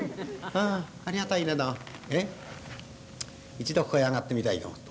一度ここへ上がってみたいと思って。